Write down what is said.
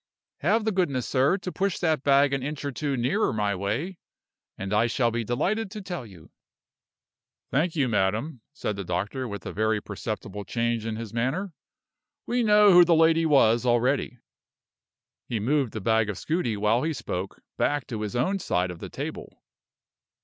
Have the goodness, sir, to push that bag an inch or two nearer my way, and I shall be delighted to tell you." "Thank you, madam," said the doctor, with a very perceptible change in his manner. "We know who the lady was already." He moved the bag of scudi while he spoke back to his own side of the table.